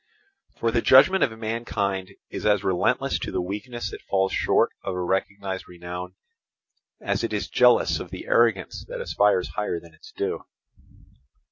For the judgment of mankind is as relentless to the weakness that falls short of a recognized renown, as it is jealous of the arrogance that aspires higher than its due.